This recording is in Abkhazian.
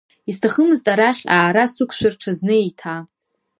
Исҭахымызт арахь аара сықәшәар ҽазны еиҭа.